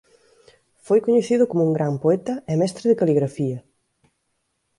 Foi coñecido como un gran poeta e mestre de caligrafía.